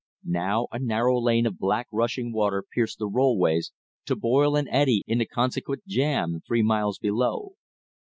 Now a narrow lane of black rushing water pierced the rollways, to boil and eddy in the consequent jam three miles below.